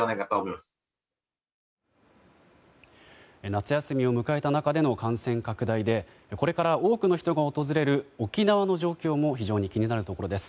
夏休みを迎えた中での感染拡大でこれから多くの人が訪れる沖縄の状況も非常に気になるところです。